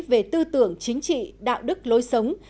về tư tưởng chính trị đạo đức lối sống